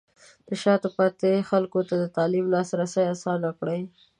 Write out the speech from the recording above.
د شاته پاتې خلکو ته د تعلیم لاسرسی اسانه کړئ.